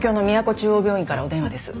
中央病院からお電話です。